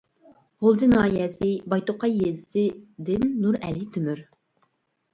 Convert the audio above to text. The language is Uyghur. غۇلجا ناھىيەسى بايتوقاي يېزىسى دىن نۇرئەلى تۆمۈر.